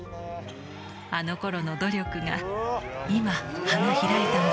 「あの頃の努力が今花開いたんですね」